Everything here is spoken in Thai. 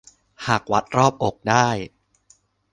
หากวัดรอบอกได้